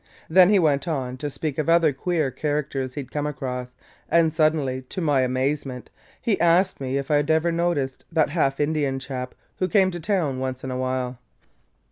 Then he went on to speak of other queer characters he 'd come across and suddenly, to my amazement, he asked me if I 'd ever noticed that half Indian chap who came to town once in a while.